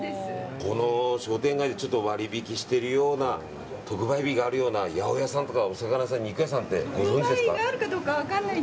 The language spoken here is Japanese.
この商店街で割引してるような特売日があるような八百屋さんとかお魚屋さんとかご存じですか。